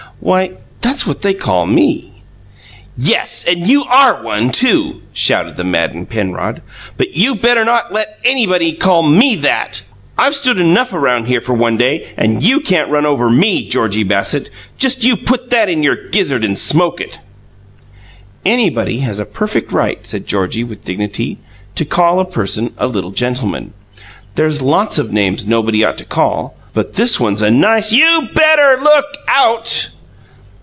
"Why, that's what they call ME!" "Yes, and you ARE one, too!" shouted the maddened Penrod. "But you better not let anybody call ME that! I've stood enough around here for one day, and you can't run over ME, Georgie Bassett. Just you put that in your gizzard and smoke it!" "Anybody has a perfect right," said Georgie, with, dignity, "to call a person a little gentleman. There's lots of names nobody ought to call, but this one's a NICE " "You better look out!"